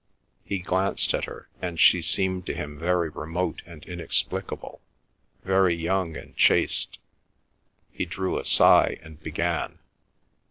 He glanced at her, and she seemed to him very remote and inexplicable, very young and chaste. He drew a sigh, and began.